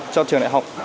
cho trường đại học